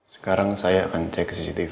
sekarang saya akan cek cctv